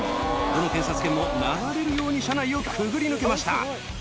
どの警察犬も流れるように車内をくぐり抜けました。